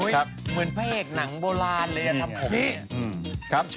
เหมือนพระเอกหนังโบราณเลยนะครับพี่